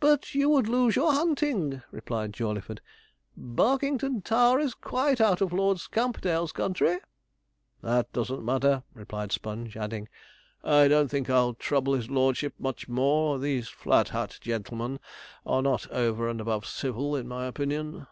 'But you would lose your hunting,' replied Jawleyford. 'Barkington Tower is quite out of Lord Scamperdale's country.' 'That doesn't matter,' replied Sponge, adding, 'I don't think I'll trouble his lordship much more. These Flat Hat gentlemen are not over and above civil, in my opinion.'